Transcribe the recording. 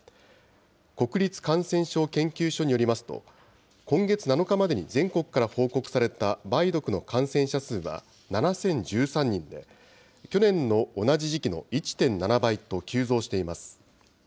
国立感染症研究所によりますと、今月７日までに全国から報告された梅毒の感染者数は７０１３人で、去年の同じ時期の１．７倍と急増しています。